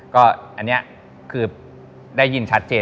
ก็อันนี้คือได้ยินชัดเจน